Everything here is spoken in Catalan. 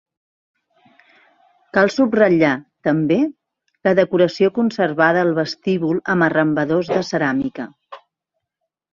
Cal subratllar, també, la decoració conservada al vestíbul amb arrambadors de ceràmica.